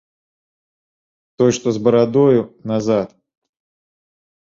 Той, што з барадою, назад.